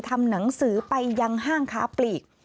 ทำหนังสือไปยังห้างค้าปลีก